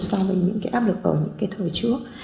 so với những áp lực ở những thời trước